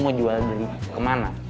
mau jual beli kemana